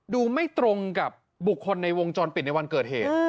ดูไม่ตรงกับบุคคลในวงจรปิดในวันเกิดเหตุ